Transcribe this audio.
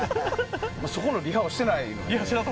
そこのリハはしてないからね。